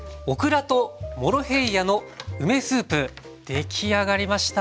出来上がりました。